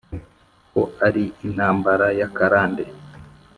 ,Ko ari intambara y’akarande